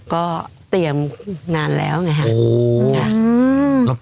ก็เตรียมนานแล้วไงค่ะ